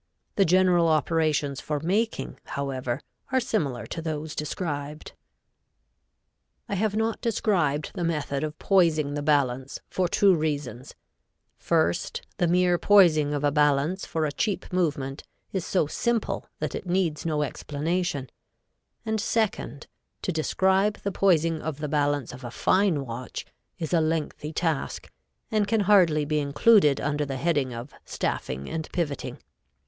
The general operations for making, however, are similar to those described. I have not described the method of poising the balance for two reasons; first, the mere poising of a balance for a cheap movement is so simple that it needs no explanation; and second, to describe the poising of the balance of a fine watch is a lengthy task, and can hardly be included under the heading of staffing and pivoting.